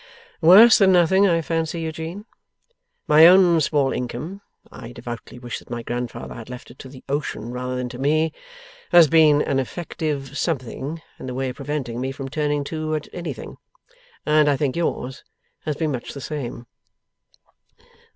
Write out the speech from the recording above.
'Worse than nothing, I fancy, Eugene. My own small income (I devoutly wish that my grandfather had left it to the Ocean rather than to me!) has been an effective Something, in the way of preventing me from turning to at Anything. And I think yours has been much the same.